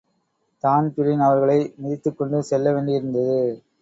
Dan Breen அவர்களை மிதித்துக் கொண்டு செல்ல வேண்டியிருந்தது.